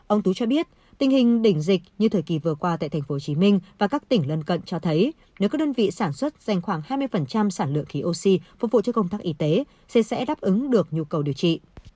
ông tú cho biết tình hình đỉnh dịch như thời kỳ vừa qua tại tp hcm và các tỉnh lân cận cho thấy nếu các đơn vị sản xuất dành khoảng hai mươi sản lượng khí oxy phục vụ cho công tác y tế sẽ đáp ứng được nhu cầu điều trị